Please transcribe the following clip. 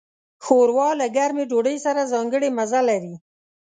ښوروا له ګرمې ډوډۍ سره ځانګړی مزه لري.